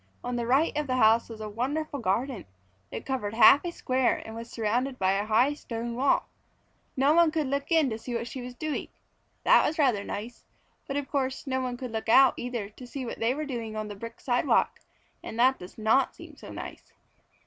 On the right of the house was a wonderful garden. It covered half a square, and was surrounded by a high stone wall. No one could look in to see what she was doing. That was rather nice, but of course no one could look out either to see what they were doing on the brick sidewalk, and that does not seem so nice.